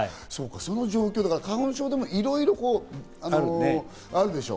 花粉症でも、いろいろあるでしょ？